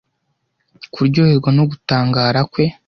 kuryoherwa no gutangara kwe